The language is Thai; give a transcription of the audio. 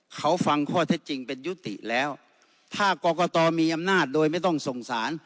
เขาฟังข้อเท็จจริงเป็นยุติแล้วถ้ากรกตมีอำนาจโดยไม่ต้องส่งสาร